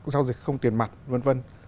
giao dịch không tiền mặt v v